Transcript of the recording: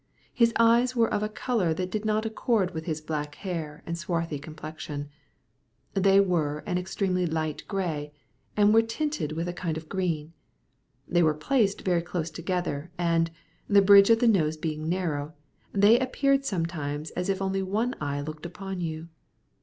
His eyes were of a colour that did not accord with his black hair and swarthy complexion. They were of an extremely light grey, and were tinted with a kind of green. They were placed very close together, and, the bridge of the nose being narrow, they appeared sometimes as if only one eye looked upon you.